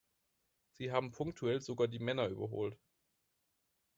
Sie haben punktuell sogar die Männer überholt.